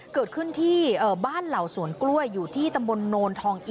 เกิดขึ้นที่บ้านเหล่าสวนกล้วยอยู่ที่ตำบลโนนทองอี